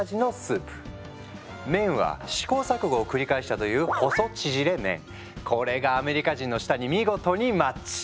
麺は試行錯誤を繰り返したというこれがアメリカ人の舌に見事にマッチ。